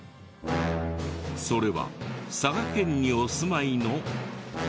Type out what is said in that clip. それは佐賀県にお住まいのこちらの方。